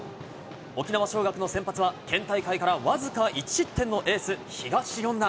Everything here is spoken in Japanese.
沖縄尚学の先発は、県大会から僅か１失点のエース、東恩納。